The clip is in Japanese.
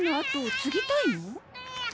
継ぎたい？